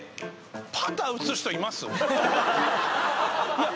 いや